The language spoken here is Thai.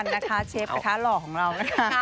นะคะเชฟกระทะหล่อของเรานะคะ